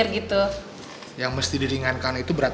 di meklam nih